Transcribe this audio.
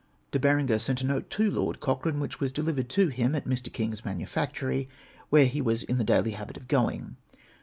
* De Berenger sent a note to Lord Coclirane, which was delivered to him at Mr. King's manufactory, where he was in the daily habit of going.